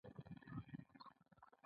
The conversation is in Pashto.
مخنیوی ښه دی.